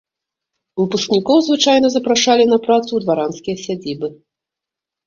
Выпускнікоў звычайна запрашалі на працу ў дваранскія сядзібы.